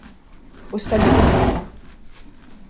Ho saludiñ a ra.